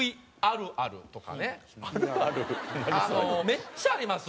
めっちゃあります。